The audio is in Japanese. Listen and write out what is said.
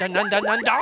なんだ？